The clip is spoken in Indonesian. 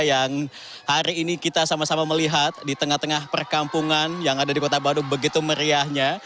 yang hari ini kita sama sama melihat di tengah tengah perkampungan yang ada di kota bandung begitu meriahnya